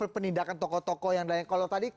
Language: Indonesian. penindakan tokoh tokoh yang lain kalau tadi